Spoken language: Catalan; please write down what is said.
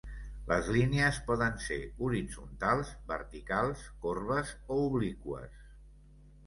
Les línies poden ser, horitzontals, verticals, corbes o obliqües.